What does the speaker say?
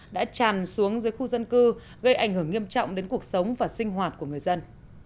đã tràn xuống dưới khu dân cư gây ảnh hưởng nghiêm trọng đến cuộc sống và sinh hoạt của người dân